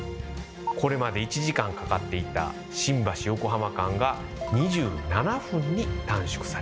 これまで１時間かかっていた新橋横浜間が２７分に短縮されたのです。